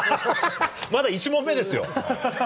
まだ１問目ですよ。